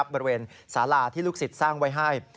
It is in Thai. บริเวณสาลาที่ลูกศิษย์สร้างไว้ให้